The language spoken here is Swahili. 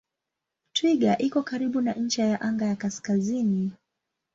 Twiga iko karibu na ncha ya anga ya kaskazini.